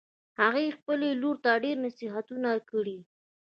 هغې خپلې لور ته ډېر نصیحتونه کړي